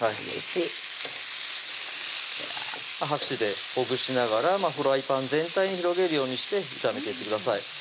うれしい箸でほぐしながらフライパン全体に広げるようにして炒めていってください